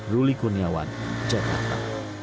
ruli kuniawan jakarta